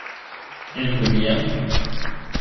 ¿él bebía?